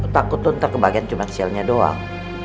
takut lo ntar kebagian cuma sialnya doang